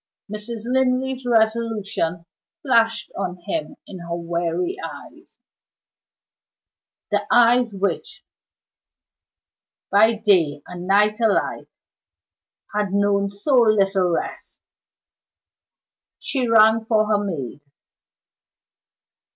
Mrs. Linley's resolution flashed on him in her weary eyes the eyes which, by day and night alike, had known so little rest. She rang for her maid.